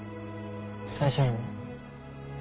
大丈夫？